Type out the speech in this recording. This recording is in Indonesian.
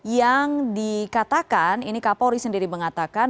yang dikatakan ini kapolri sendiri mengatakan